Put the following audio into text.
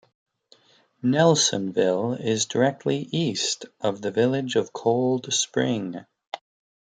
Nelsonville is directly east of the village of Cold Spring.